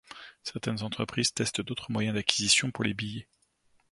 Certaines entreprises testent d'autres moyens d'acquisition pour les billets.